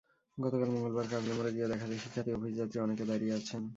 গতকাল মঙ্গলবার কাকলী মোড়ে গিয়ে দেখা যায়, শিক্ষার্থী, অফিসযাত্রী অনেকে দাঁড়িয়ে আছেন।